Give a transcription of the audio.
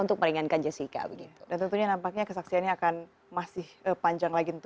untuk meringankan jessica begitu dan tentunya nampaknya kesaksiannya akan masih panjang lagi untuk